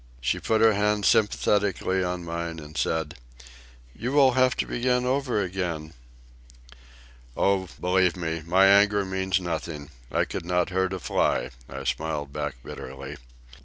She put her hand sympathetically on mine, and said, "You will have to begin over again." "Oh, believe me, my anger means nothing; I could not hurt a fly," I smiled back bitterly.